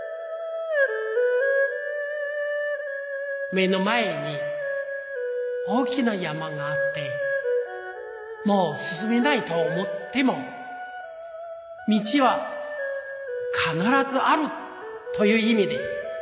目の前に大きな山があってもうすすめないと思っても「道は必ずある」といういみです。